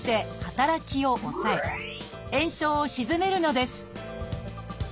炎症を鎮めるのです